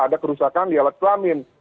ada kerusakan di alat kelamin